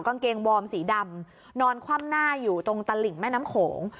กางเกงวอร์มสีดำนอนคว่ำหน้าอยู่ตรงตลิ่งแม่น้ำโขง